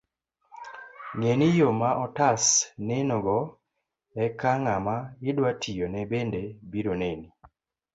Ng'eni, yo ma otas nenogo, eka ng'ama idwa tiyone bende biro neni